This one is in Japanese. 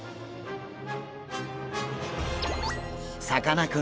さかなクン